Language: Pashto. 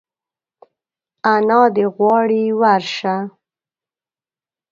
انا دي غواړي ورشه !